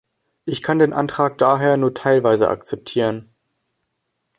Ich kann den Antrag daher nur teilweise akzeptieren.